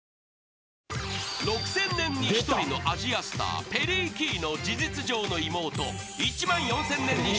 ［６，０００年に一人のアジアスターペリー・キーの事実上の妹］